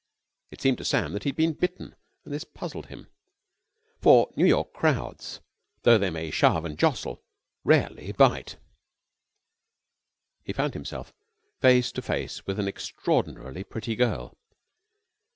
It seemed to Sam that he had been bitten, and this puzzled him, for New York crowds, though they may shove and jostle, rarely bite. He found himself face to face with an extraordinarily pretty girl.